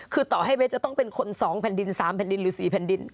คือต่อให้เบสจะต้องเป็นคน๒แผ่นดิน๓แผ่นดินหรือ๔แผ่นดิน